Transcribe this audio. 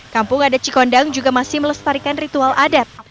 kampung adat cikondang juga masih melestarikan ritual adat